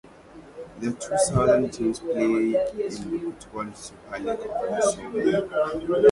The two southern teams play in the Football Superleague of Kosovo.